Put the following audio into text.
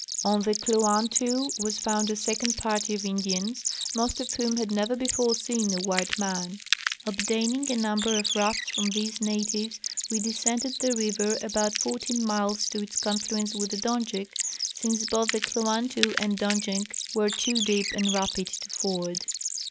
On the Kluantu was found a second party of Indians, most of whom had never before seen a white man. Obtaining a number of rafts from these natives we descended the river about fourteen miles to its confluence with the Donjek, since both the Kluantu and Donjek were too deep and rapid to ford.